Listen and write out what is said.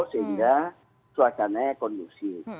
sehingga suasananya kondusif